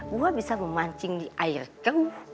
gua bisa memancing di air kem